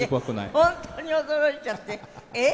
本当に驚いちゃってええー！